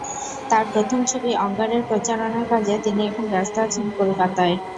তাঁর প্রথম ছবি অঙ্গার-এর প্রচারণার কাজে তিনি এখন ব্যস্ত আছেন কলকাতায়।